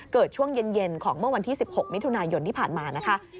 ช่วงเย็นของเมื่อวันที่๑๖มิถุนายนที่ผ่านมานะคะ